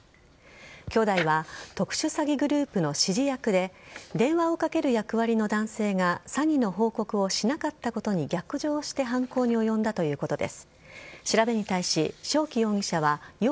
兄弟は特殊詐欺グループの指示役で電話をかける役割の男性が詐欺の報告をしなかったことに逆上して犯行に及んだということです。